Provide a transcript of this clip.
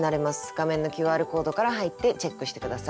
画面のＱＲコードから入ってチェックして下さい。